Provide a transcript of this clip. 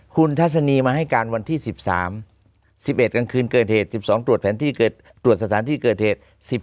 คุณทัศนีมาให้การวันที่๑๓๑๑กลางคืนเกิดเหตุ๑๒ตรวจแผนที่ตรวจสถานที่เกิดเหตุ